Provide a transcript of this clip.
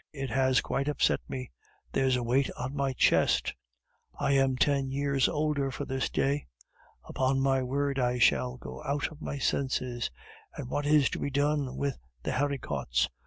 It has quite upset me! There's a weight on my chest! I am ten years older for this day! Upon my word, I shall go out of my senses! And what is to be done with the haricots!